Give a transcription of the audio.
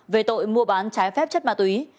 về tội mua bán trái phép chất ma túy